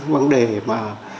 vấn đề mà